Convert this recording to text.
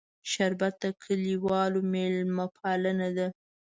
شربت د کلیوالو میلمهپالنه ده